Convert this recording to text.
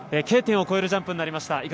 Ｋ点を越えるジャンプになりました。